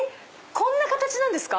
こんな形なんですか？